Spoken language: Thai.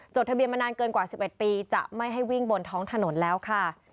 ทะเบียนมานานเกินกว่า๑๑ปีจะไม่ให้วิ่งบนท้องถนนแล้วค่ะ